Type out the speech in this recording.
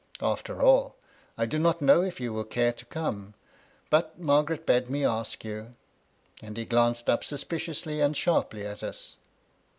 After all, I do not know if you will care to come; but Maigaret bade me ask you ;" and he glanced up sus piciously and sharply at us.